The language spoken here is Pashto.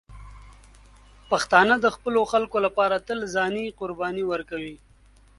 پښتانه د خپلو خلکو لپاره تل ځاني قرباني ورکوي.